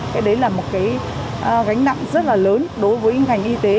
cái đấy là một cái gánh nặng rất là lớn đối với ngành y tế